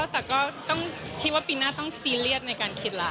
แต่ก็ต้องคิดว่าปีหน้าต้องซีเรียสในการคิดแล้ว